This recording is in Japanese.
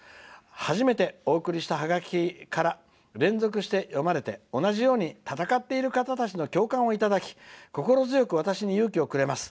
初めてお送りしたハガキから連続して読まれて、同じように闘っている方たちの共感をいただき心強く私に勇気をくれます。